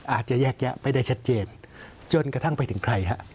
อาจจะแยกแยะไม่ได้ชัดเจนจนกระทั่งไปถึงใครฮะ